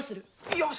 よし！